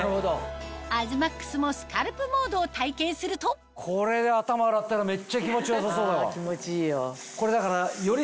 東ＭＡＸもスカルプモードを体験するとこれで頭洗ったらめっちゃ気持ち良さそうだわ。